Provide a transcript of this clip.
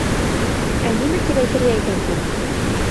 Ә нимә тип әйтергә икән һуң?